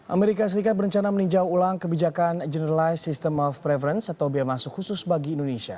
amerika serikat berencana meninjau ulang kebijakan generalize system of preference atau biaya masuk khusus bagi indonesia